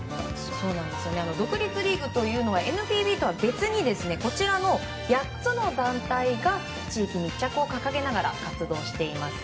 独立リーグというのはＮＰＢとは別に８つの団体が地域密着を掲げながら活動しています。